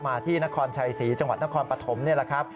มาที่นครชัยศรีจังหวัดนครปฐมนี่แหละครับ